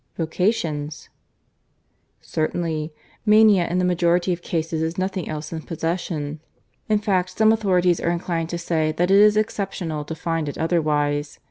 "Vocations!" "Certainly. Mania in the majority of cases is nothing else than possession. In fact some authorities are inclined to say that it is exceptional to find it otherwise.